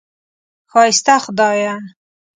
ښایسته خدایه!